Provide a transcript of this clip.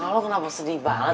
lo kenapa sedih banget